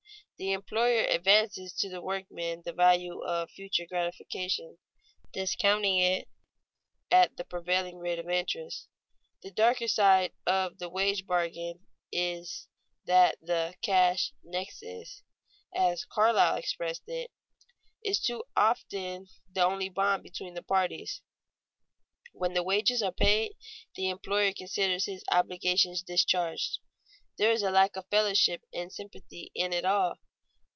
The employer advances to the workman the value of the future gratification, discounting it at the prevailing rate of interest. The darker side of the wage bargain is that the "cash nexus," as Carlyle expressed it, is too often the only bond between the parties. When the wages are paid, the employer considers his obligations discharged. There is a lack of fellowship and sympathy in it all.